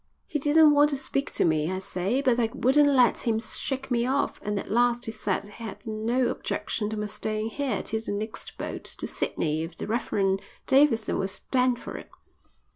He didn't want to speak to me, I'll say, but I wouldn't let him shake me off, and at last he said he hadn't no objection to my staying here till the next boat to Sydney if the Rev. Davidson will stand for it."